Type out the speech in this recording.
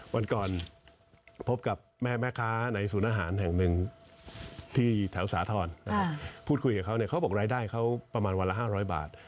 วันก่อนพบกับแม่ค้าในศูนย์อาหารแห่งหนึ่งที่แถวสาธรณ์พูดคุยกับเขาเนี่ยเขาบอกรายได้เขาประมาณวันละ๕๐๐บาท